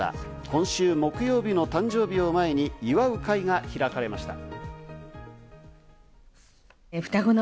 今週木曜日の誕生日を前に祝う会が開かれました。